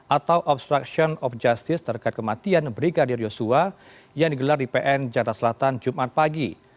atau obstruction of justice terkait kematian brigadir yosua yang digelar di pn jatah selatan jumat pagi